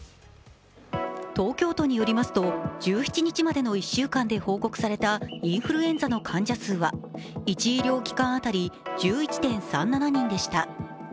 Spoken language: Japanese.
東京都によりますと、１７日までの１週間で報告されたインフルエンザの患者数は１医療機関当たり１１．３７人でした。